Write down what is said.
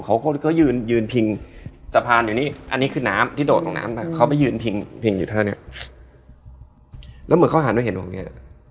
อันนั้นมันเป็นครั้งแรกที่